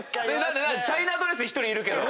チャイナドレス１人いるけど。